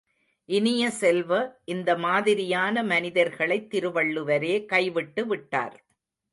இனிய செல்வ, இந்த மாதிரியான மனிதர்களைத் திருவள்ளுவரே கைவிட்டு விட்டார்.